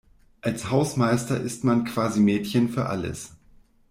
Als Hausmeister ist man quasi Mädchen für alles.